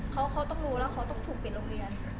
เขาต้องรู้แล้วเขาต้องถูกปิดโรงเรียน